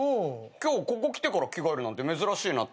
今日ここ来てから着替えるなんて珍しいなと思って。